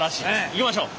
いきましょう。